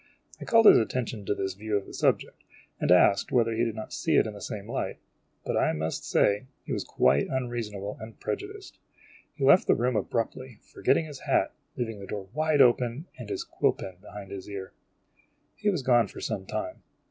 I called his attention to this view of the subject, and asked whether he did not see it in the same light, but I must say he was quite unreasonable and prejudiced. He left the room abruptly, forgetting his hat, leaving the door wide open, and his quill pen behind his ear. He was gone for some time.